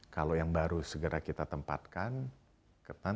kalau yang baru segera kita tempatkan